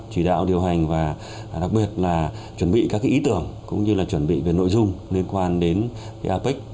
chỉ đạo điều hành và đặc biệt là chuẩn bị các ý tưởng cũng như là chuẩn bị về nội dung liên quan đến apec